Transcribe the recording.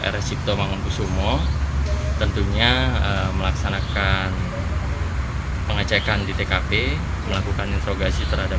resipto mangkubusumo tentunya melaksanakan pengecekan di tkp melakukan introgasi terhadap